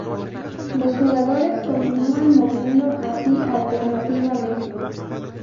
Los jugadores continúan moviendo así alternativamente.